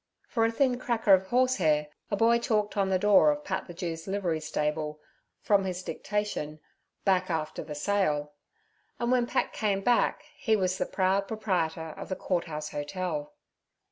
For a thin cracker of horsehair a schoolboy chalked on the door of Pat the Jew's livery stable, from his dictation, 'Back after the sail'; and when Pat came back he was the proud proprietor of the Court House Hotel.